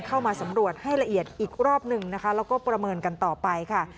เข้ามาสำรวจให้ละเอียดอีกรอบหนึ่งนะคะแล้วก็ประเมินกันต่อไปค่ะ